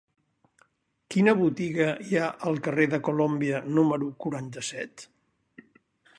Quina botiga hi ha al carrer de Colòmbia número quaranta-set?